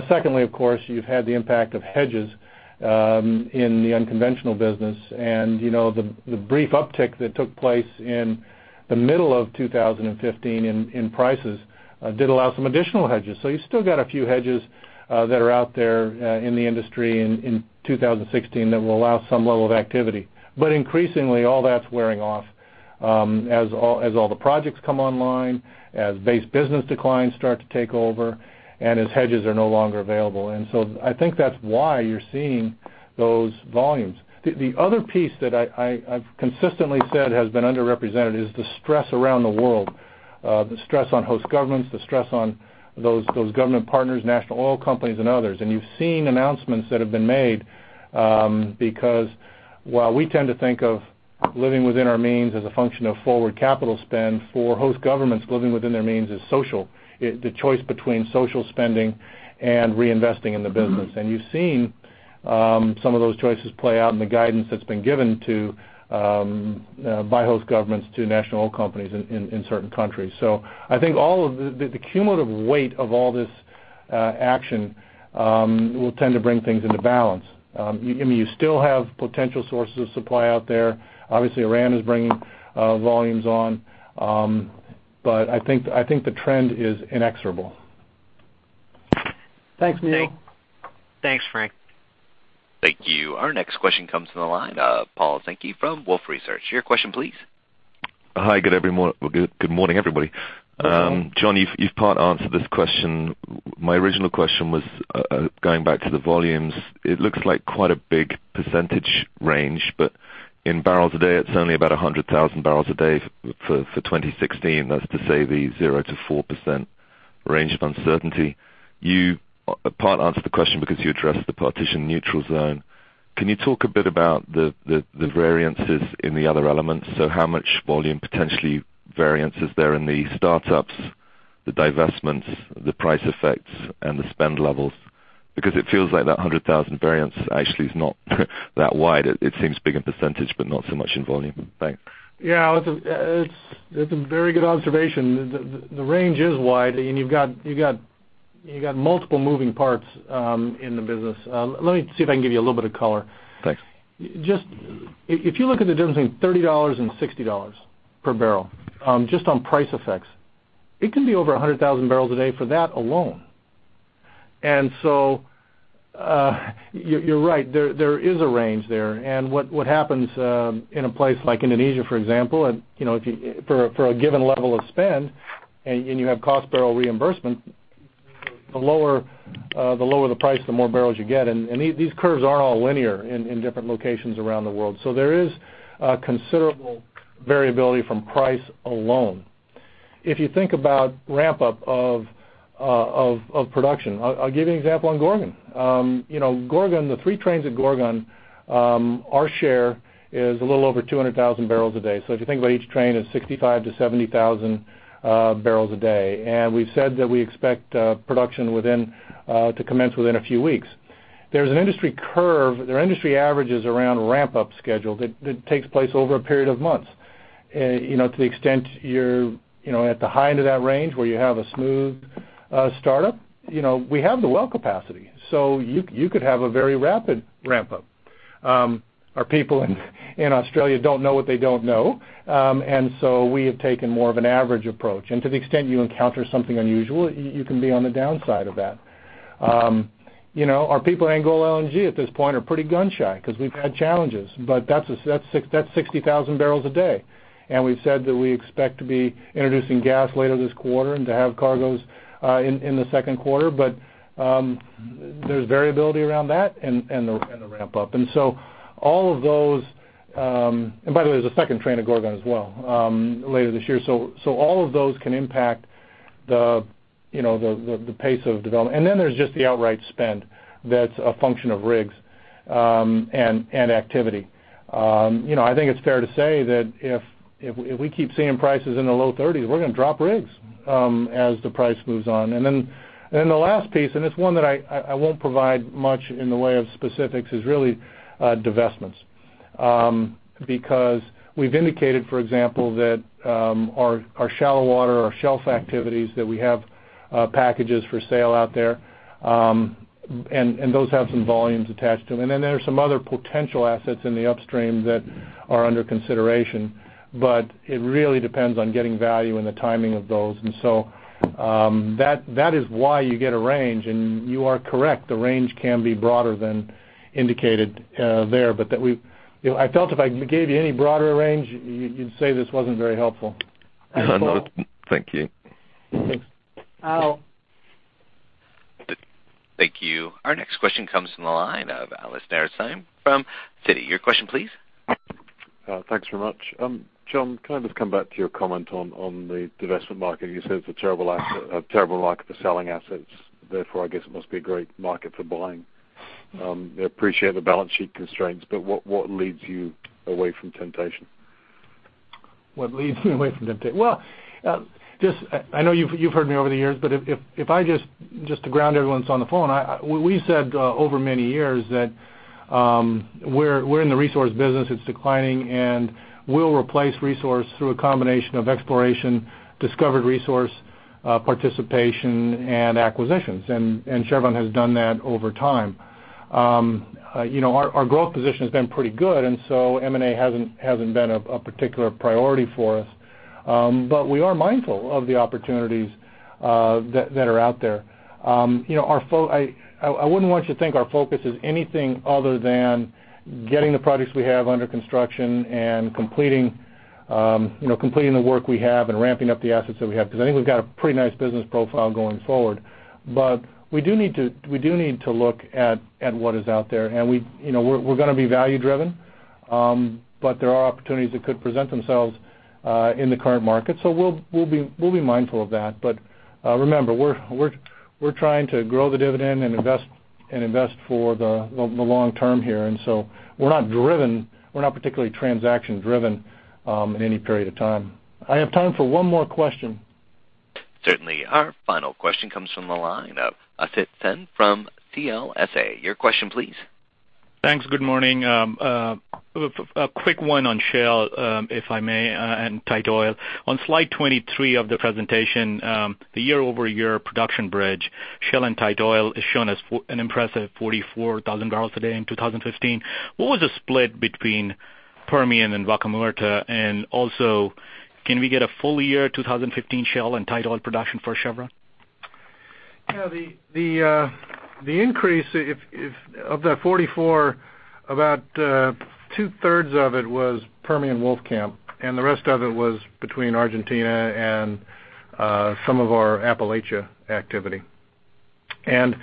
Secondly, of course, you've had the impact of hedges in the unconventional business, and the brief uptick that took place in the middle of 2015 in prices did allow some additional hedges. You still got a few hedges that are out there in the industry in 2016 that will allow some level of activity. Increasingly, all that's wearing off as all the projects come online, as base business declines start to take over, and as hedges are no longer available. I think that's why you're seeing those volumes. The other piece that I've consistently said has been underrepresented is the stress around the world, the stress on host governments, the stress on those government partners, national oil companies and others. You've seen announcements that have been made because while we tend to think of living within our means as a function of forward capital spend, for host governments living within their means is social. The choice between social spending and reinvesting in the business. You've seen some of those choices play out in the guidance that's been given by host governments to national oil companies in certain countries. I think the cumulative weight of all this action will tend to bring things into balance. I mean, you still have potential sources of supply out there. Obviously Iran is bringing volumes on. I think the trend is inexorable. Thanks, Neil. Thanks, Frank. Thank you. Our next question comes from the line of Paul Sankey from Wolfe Research. Your question, please. Hi, good morning, everybody. Good morning. John, you've part answered this question. My original question was going back to the volumes. It looks like quite a big percentage range, but in barrels a day, it's only about 100,000 barrels a day for 2016. That's to say, the 0%-4% range of uncertainty. You part answered the question because you addressed the Partitioned Neutral Zone. Can you talk a bit about the variances in the other elements? How much volume potentially variance is there in the startups, the divestments, the price effects, and the spend levels? Because it feels like that 100,000 variance actually is not that wide. It seems big a percentage, but not so much in volume. Thanks. Yeah. It's a very good observation. The range is wide, and you've got multiple moving parts in the business. Let me see if I can give you a little bit of color. Thanks. If you look at the difference between $30 and $60 per barrel, just on price effects, it can be over 100,000 barrels a day for that alone. You're right, there is a range there. What happens in a place like Indonesia, for example, for a given level of spend, and you have cost barrel reimbursement, the lower the price, the more barrels you get. These curves aren't all linear in different locations around the world. There is a considerable variability from price alone. If you think about ramp up of production, I'll give you an example on Gorgon. The three trains at Gorgon, our share is a little over 200,000 barrels a day. If you think about each train is 65,000 to 70,000 barrels a day. We've said that we expect production to commence within a few weeks. There's an industry curve. There are industry averages around ramp-up schedule that takes place over a period of months. To the extent you're at the high end of that range where you have a smooth startup, we have the well capacity. You could have a very rapid ramp up. Our people in Australia don't know what they don't know. We have taken more of an average approach. To the extent you encounter something unusual, you can be on the downside of that. Our people at Angola LNG at this point are pretty gun-shy because we've had challenges, but that's 60,000 barrels a day, and we've said that we expect to be introducing gas later this quarter and to have cargoes in the second quarter. There's variability around that and the ramp up. By the way, there's a second train at Gorgon as well later this year. All of those can impact the pace of development. There's just the outright spend that's a function of rigs and activity. I think it's fair to say that if we keep seeing prices in the low 30s, we're going to drop rigs as the price moves on. The last piece, and it's one that I won't provide much in the way of specifics, is really divestments. Because we've indicated, for example, that our shallow water, our shelf activities, that we have packages for sale out there, and those have some volumes attached to them. There are some other potential assets in the upstream that are under consideration. It really depends on getting value and the timing of those. That is why you get a range, and you are correct, the range can be broader than indicated there. I felt if I gave you any broader range, you'd say this wasn't very helpful. No, thank you. Thanks. Al. Thank you. Our next question comes from the line of Alastair Syme from Citi. Your question, please. Thanks very much. John, can I just come back to your comment on the divestment market? You said it's a terrible market for selling assets, I guess it must be a great market for buying. I appreciate the balance sheet constraints, what leads you away from temptation? What leads me away from temptation? Well, I know you've heard me over the years, just to ground everyone that's on the phone, we said over many years that we're in the resource business. It's declining, and we'll replace resource through a combination of exploration, discovered resource, participation, and acquisitions. Chevron has done that over time. Our growth position has been pretty good, M&A hasn't been a particular priority for us. We are mindful of the opportunities that are out there. I wouldn't want you to think our focus is anything other than getting the projects we have under construction and completing the work we have and ramping up the assets that we have. I think we've got a pretty nice business profile going forward. We do need to look at what is out there, and we're going to be value driven. There are opportunities that could present themselves in the current market. We'll be mindful of that. Remember, we're trying to grow the dividend and invest for the long term here, we're not particularly transaction driven in any period of time. I have time for one more question. Certainly. Our final question comes from the line of Asit Sen from CLSA. Your question, please. Thanks. Good morning. A quick one on Shale if I may, and tight oil. On slide 23 of the presentation, the year-over-year production bridge, Shale and tight oil is shown as an impressive 44,000 barrels a day in 2015. What was the split between Permian and Vaca Muerta? Also, can we get a full year 2015 Shale and tight oil production for Chevron? The increase of that 44, about two-thirds of it was Permian Wolfcamp, the rest of it was between Argentina and some of our Appalachia activity. In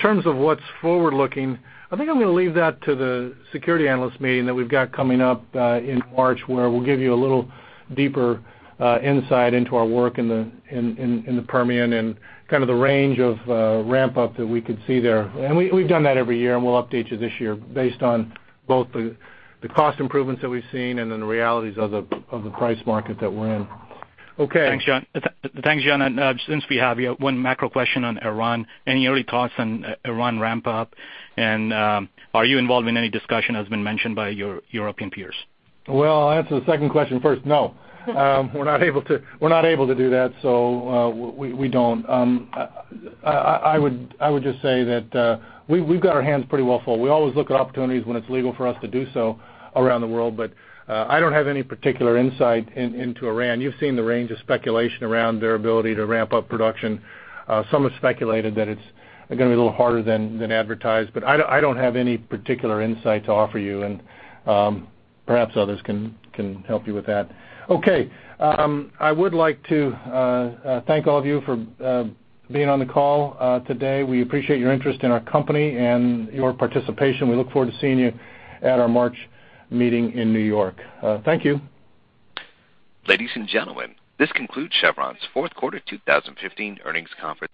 terms of what's forward-looking, I think I'm going to leave that to the security analyst meeting that we've got coming up in March, where we'll give you a little deeper insight into our work in the Permian and kind of the range of ramp-up that we could see there. We've done that every year, and we'll update you this year based on both the cost improvements that we've seen the realities of the price market that we're in. Okay. Thanks, John. Since we have you, one macro question on Iran. Any early thoughts on Iran ramp-up? Are you involved in any discussion, as been mentioned by your European peers? Well, I'll answer the second question first. No. We're not able to do that, so we don't. I would just say that we've got our hands pretty well full. We always look at opportunities when it's legal for us to do so around the world. I don't have any particular insight into Iran. You've seen the range of speculation around their ability to ramp up production. Some have speculated that it's going to be a little harder than advertised, but I don't have any particular insight to offer you, and perhaps others can help you with that. Okay. I would like to thank all of you for being on the call today. We appreciate your interest in our company and your participation. We look forward to seeing you at our March meeting in New York. Thank you. Ladies and gentlemen, this concludes Chevron's fourth quarter 2015 earnings conference.